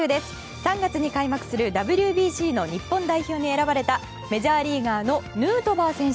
３月に開幕するＷＢＣの日本代表に選ばれたメジャーリーガーのヌートバー選手。